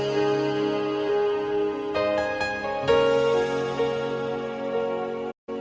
เรื่องเมึดที่๑